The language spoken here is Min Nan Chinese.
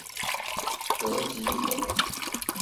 果子皮